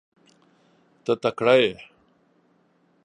ته تکړه یې .